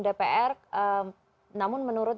dpr namun menurut